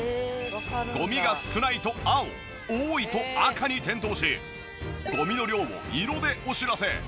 ゴミが少ないと青多いと赤に点灯しゴミの量を色でお知らせ！